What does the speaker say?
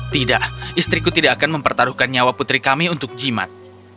tidak istriku tidak akan mempertaruhkan nyawa putri kami untuk jimat